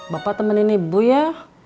bapak temenin ibu ya